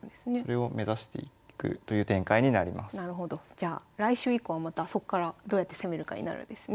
じゃあ来週以降はまたそっからどうやって攻めるかになるんですね。